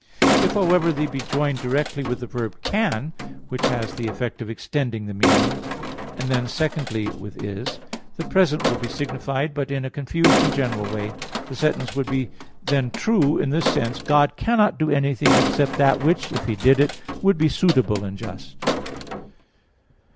If, however, they be joined directly with the verb "can" (which has the effect of extending the meaning), and then secondly with "is," the present will be signified, but in a confused and general way. The sentence would then be true in this sense: "God cannot do anything except that which, if He did it, would be suitable and just."